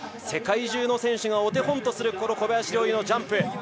世界中の選手がお手本とする小林陵侑のジャンプ。